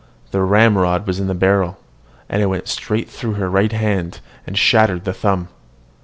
the ramrod was in the barrel; and it went straight through her right hand, and shattered the thumb.